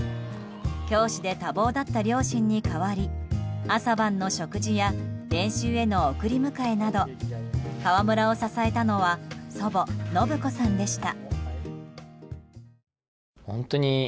教師で多忙だった両親に代わり朝晩の食事や練習への送り迎えなど河村を支えたのは祖母・信子さんでした。